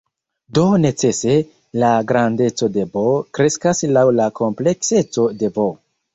Do, necese la grandeco de "B" kreskas laŭ la komplekseco de "V".